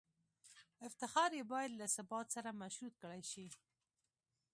افتخار یې باید له ثبات سره مشروط کړای شي.